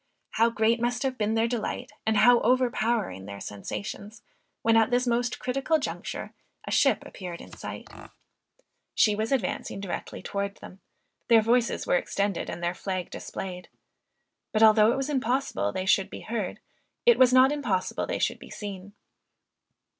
How great must have been their delight, and how overpowering their sensations, when at this most critical juncture a ship appeared in sight! She was advancing directly towards them; their voices were extended and their flag displayed. But although it was impossible they should be heard, it was not impossible they should be seen.